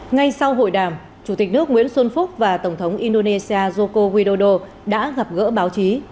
ngay sau hội đàm chủ tịch nước nguyễn xuân phúc và tổng thống indonesia joko widodo đã gặp gỡ báo chí